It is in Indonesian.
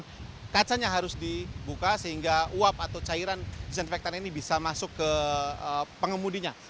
dan kacanya harus dibuka sehingga uap atau cairan disinfektan ini bisa masuk ke pengemudinya